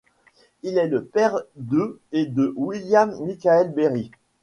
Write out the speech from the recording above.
Il est le père de et de William Michael Berry.